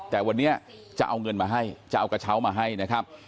แต่วันนี้จะเอาเงินมาให้จะเอากระเช้ามาให้นะครับ